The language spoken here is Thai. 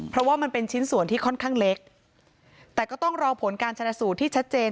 เพราะว่ามันเป็นชิ้นส่วนที่ค่อนข้างเล็กแต่ก็ต้องรอผลการชนะสูตรที่ชัดเจน